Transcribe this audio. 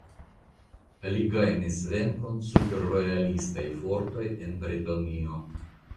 Li gajnis venkon super rojalistaj fortoj en Bretonio.